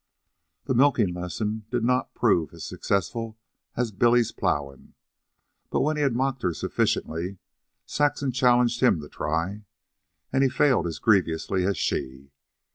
The milking lesson did not prove as successful as Billy's plowing; but when he had mocked sufficiently, Saxon challenged him to try, and he failed as grievously as she.